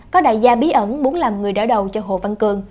có đại gia bí ẩn muốn làm người đỡ đầu cho hồ văn cường